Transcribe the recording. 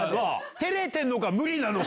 てれてるのか、無理なのか。